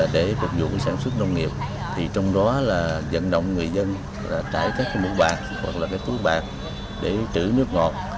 để phục vụ sản xuất nông nghiệp trong đó dẫn động người dân trải các mũ bạc hoặc túi bạc để chữ nước ngọt